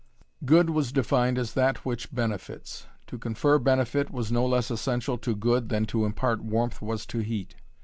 Good was defined as that which benefits. To confer benefit was no less essential to good than to impart warmth was to heat.